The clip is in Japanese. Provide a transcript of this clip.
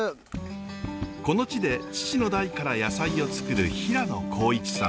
この地で父の代から野菜をつくる平野紘一さん。